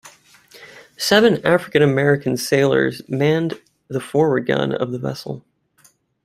Seven African-American sailors manned the forward gun of the vessel.